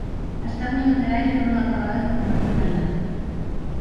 As táboas laterais foron acabadas por Martín Bernat.